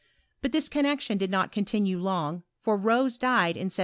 But this connexion did not continue long ; for Rose died in 1771.